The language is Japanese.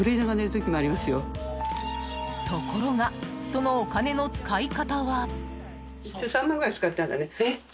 ところがそのお金の使い方は。